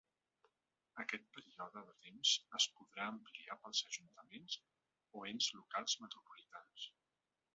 Aquest període de temps es podrà ampliar pels ajuntaments o ens locals metropolitans.